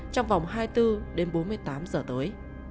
trong vòng hai mươi bốn đến bốn mươi tám giờ tối